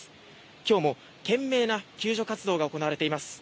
今日も懸命な救助活動が行われています。